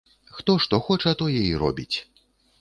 Хто што хоча, тое і робіць.